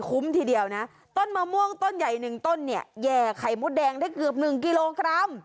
ทีเดียวนะต้นมะม่วงต้นใหญ่หนึ่งต้นเนี่ยแห่ไข่มดแดงได้เกือบ๑กิโลกรัม